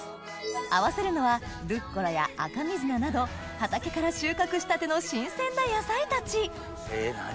合わせるのはルッコラや赤水菜など畑から収穫したての新鮮な野菜たち何？